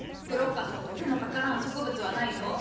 クロッカスほど手のかからん植物はないぞ。